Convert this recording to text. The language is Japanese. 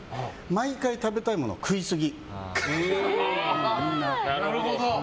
毎回食べたいものを食いすぎる。